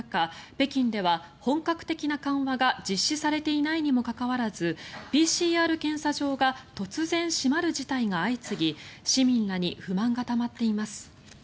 北京では本格的な緩和が実施されていないにもかかわらずＰＣＲ検査場が突然閉まる事態が相次ぎ市民らに不満がたまっています。